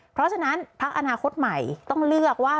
เพราะฉะนั้นพักอนาคตใหม่ต้องเลือกว่า